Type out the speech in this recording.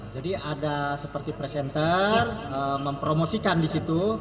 jadi ada seperti presenter mempromosikan disitu